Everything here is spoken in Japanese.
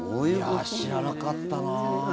知らなかったな。